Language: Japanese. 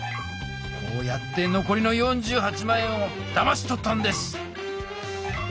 こうやってのこりの４８万円をだまし取ったんです！